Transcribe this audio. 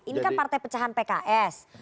ini kan partai pecahan pks